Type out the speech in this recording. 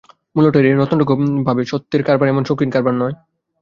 মূল্যটা এড়িয়ে রত্নটুকু পাবে সত্যের কারবার এমন শৌখিন কারবার নয়।